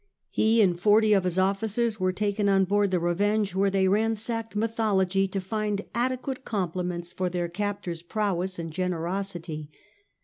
He and forty of his officers were taken on board the Revenge^ where they ransacked mythology to find adequate compliments for their captor's prowess and generosity.